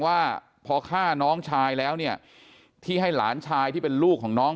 ว่าพอฆ่าน้องชายแล้วเนี่ยที่ให้หลานชายที่เป็นลูกของน้อง